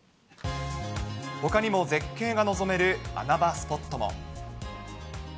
ほかにも絶景が望める穴場スポットも。